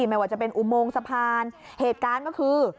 ไม่ว่าจะเป็นอุโมงสะพานเหตุการณ์ก็คือ